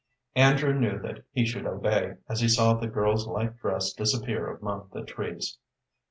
Andrew knew that he should obey, as he saw the girl's light dress disappear among the trees.